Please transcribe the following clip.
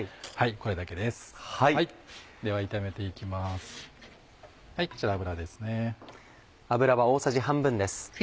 こちら油ですね。